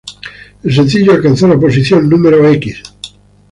El sencillo alcanzó la posición No.